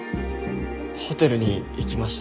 ホテルに行きました。